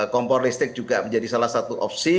kompor listrik juga menjadi salah satu opsi